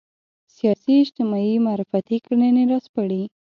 سیاسي اجتماعي معرفتي کړنې راسپړي